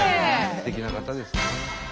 すてきな方ですね。